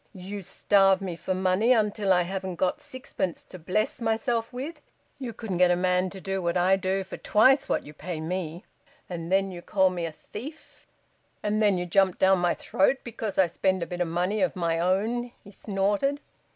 "You starve me for money, until I haven't got sixpence to bless myself with. You couldn't get a man to do what I do for twice what you pay me. And then you call me a thief. And then you jump down my throat because I spend a bit of money of my own." He snorted.